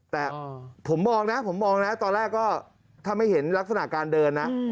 แต่ผมมองนะผมมองนะตอนแรกก็ถ้าไม่เห็นลักษณะการเดินนะ